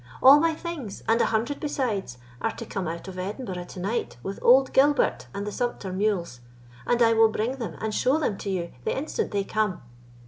All my things, and a hundred besides, are to come out from Edinburgh to night with old Gilbert and the sumpter mules; and I will bring them and show them to you the instant they come."